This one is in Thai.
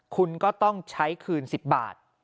คุณก็ต้องใช้คืน๑๐บาท